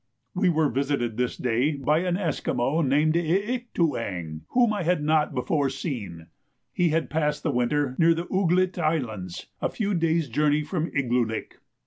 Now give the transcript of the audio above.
We were visited this day by an Esquimaux named I ik tu ang, whom I had not before seen. He had passed the winter near the Ooglit Islands, a few days' journey from Igloolik.